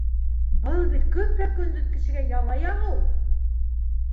Был бит көпә-көндөҙ кешегә яла яғыу!